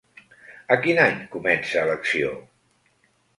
A quin any comença l'acció?